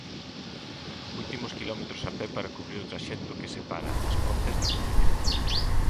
Últimos quilómetros a pé para cubrir o traxecto que separa As Pontes da Coruña.